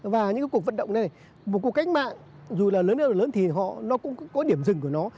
và những cuộc vận động này một cuộc cách mạng dù là lớn hơn là lớn thì họ nó cũng có điểm dừng của nó